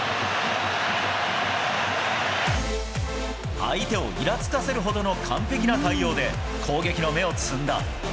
相手をいらつかせるほどの完璧な対応で、攻撃の芽を摘んだ。